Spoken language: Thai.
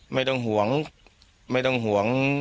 ไม่ต้องห่วงไม่ต้องห่วง